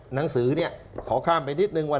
หนังสือเนี่ยขอข้ามไปนิดนึงว่า